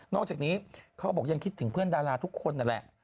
อกจากนี้เขาบอกยังคิดถึงเพื่อนดาราทุกคนนั่นแหละ